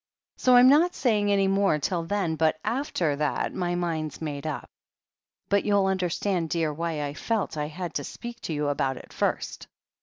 So I'm not saying any more till then, but after that my mind's made up. But you'll understand, dear, why I felt I had to speak to you about it first."